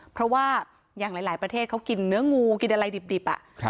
เพราะว่าอย่างหลายประเทศเขากินเนื้องูกินอะไรดิบ